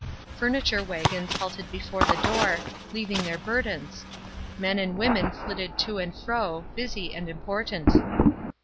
Furniture wagons halted before the door, leaving their burdens. Men and women flitted to and fro, busy and important.